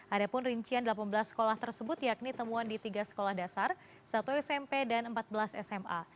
ada pun rincian delapan belas sekolah tersebut yakni temuan di tiga sekolah dasar satu smp dan empat belas sma